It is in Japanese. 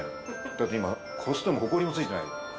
だって今こすってもホコリもついてない。